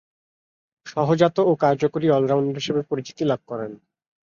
সহজাত ও কার্যকরী অল-রাউন্ডার হিসেবে পরিচিতি লাভ করেন।